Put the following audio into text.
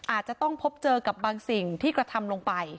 อาจจะต้องพบเจอกับบางสิ่งที่กระทำลงไป